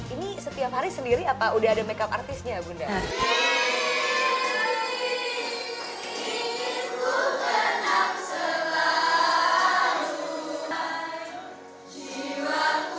ini setiap hari sendiri apa udah ada makeup artisnya bunda